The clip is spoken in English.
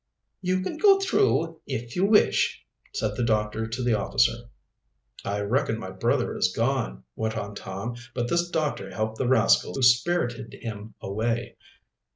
"You can go through, if you wish," said the doctor to the officer. "I reckon my brother is gone," went on Tom. "But this doctor helped the rascals who spirited him away."